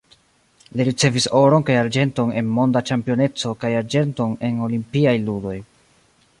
Li ricevis oron kaj arĝenton en monda ĉampioneco kaj arĝenton en olimpiaj ludoj.